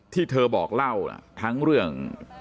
ที่เธอบอกเล่าทั้งเรื่อง